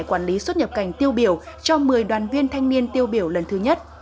quản lý xuất nhập cảnh tiêu biểu cho một mươi đoàn viên thanh niên tiêu biểu lần thứ nhất